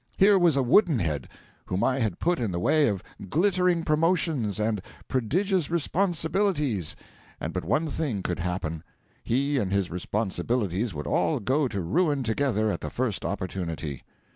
Here was a wooden head whom I had put in the way of glittering promotions and prodigious responsibilities, and but one thing could happen: he and his responsibilities would all go to ruin together at the first opportunity.